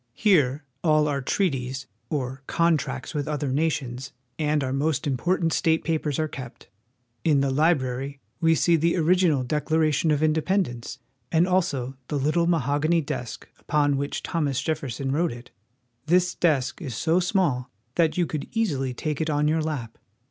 Here all our trea ties, or contracts with other nations, and our most important state pa pers are kept. In the library we see the ori jeffersons Desk. ^ gi^al Declaration of In dependence, and also the little mahogany desk upon which Thomas Jefferson wrote it This desk is so small that you could easily take it on your lap.